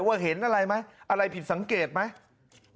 เห็นอะไรไหมอะไรผิดสังเกตไหม